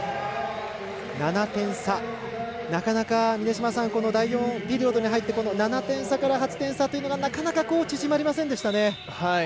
なかなか、峰島さん第４ピリオドに入って７点差から８点差というのがなかなか縮まりませんでしたね。